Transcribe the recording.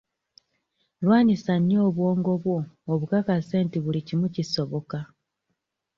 Lwanyisa nnyo obwongo bwo obukakase nti buli kimu kisoboka.